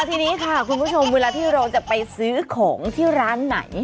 ทีนี้ค่ะคุณผู้ชมเวลาที่เราจะไปซื้อของที่ร้านไหน